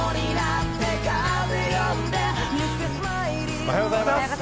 おはようございます。